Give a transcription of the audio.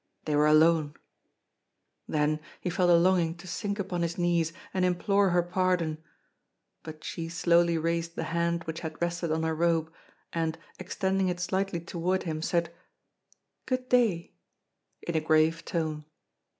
They were alone! Then, he felt a longing to sink upon his knees, and implore her pardon. But she slowly raised the hand which had rested on her robe, and, extending it slightly toward him, said, "Good day," in a grave tone.